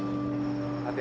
hati hati di jalannya